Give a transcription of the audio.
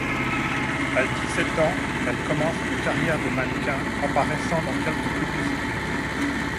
À dix-sept ans, elle commence une carrière de mannequin, apparaissant dans quelques publicités.